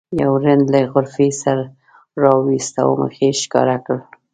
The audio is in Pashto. یو رند له غرفې سر راوویست او مخ یې ښکاره کړ.